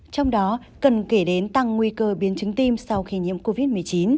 trong đó cần kể đến tăng nguy cơ biến chứng tim sau khi nhiễm covid một mươi chín